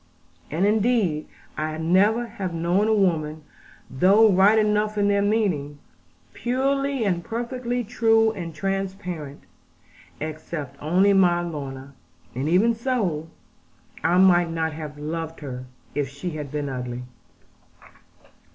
And indeed I never have known a woman (though right enough in their meaning) purely and perfectly true and transparent, except only my Lorna; and even so, I might not have loved her, if she had been ugly.